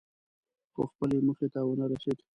خو خپلې موخې ته ونه رسېد.